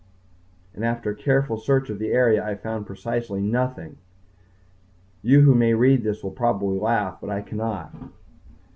... and after a careful search of the area I found precisely nothing. You who may read this will probably laugh, but I cannot.